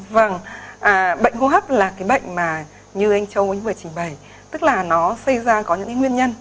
vâng bệnh hốp là cái bệnh mà như anh châu vừa trình bày tức là nó xây ra có những nguyên nhân